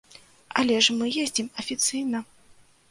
Але ж мы ездзім афіцыйна!